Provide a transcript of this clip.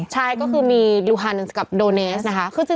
ใช่ก็คือมีลูฮันสกับโดเนสนะคะ